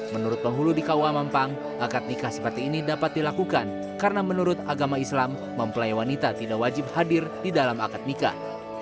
menurut penghulu di kua mampang akad nikah seperti ini dapat dilakukan karena menurut agama islam mempelai wanita tidak wajib hadir di dalam akad nikah